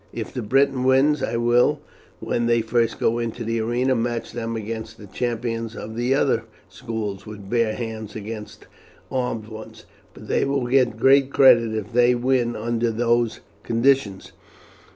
If the Briton wins, I will, when they first go into the arena, match them against the champions of the other schools with bare hands against armed ones, and they will get great credit if they win under those conditions.